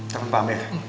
telpon paham ya